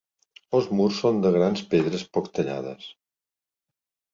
Els murs són de grans pedres poc tallades.